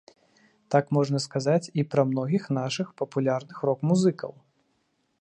Так можна сказаць і пра многіх нашых папулярных рок-музыкаў.